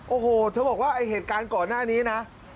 โอ้โหเธอบอกว่าไอ้เหตุการณ์ก่อนหน้านี้นะ